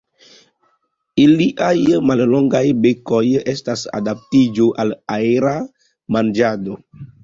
Iliaj mallongaj bekoj estas adaptiĝo al aera manĝado.